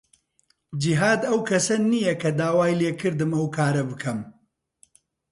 جیهاد ئەو کەسە نییە کە داوای لێ کردم ئەو کارە بکەم.